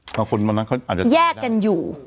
เพราะคนวันนั้นเขาอาจจะแยกกันอยู่